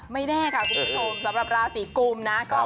ไม่แน่ค่ะคุณผู้ชมสำหรับราศีกุมนะ